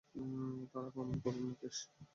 তারা প্রমাণ পাবে মুকেশ।